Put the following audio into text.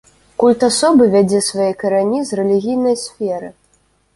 Культ асобы вядзе свае карані з рэлігійнай сферы.